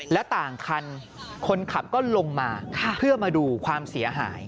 แล้วต่างคันคนขับก็ลงมาเพื่อมาดูความเสียหาย